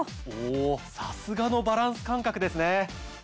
おさすがのバランス感覚ですね。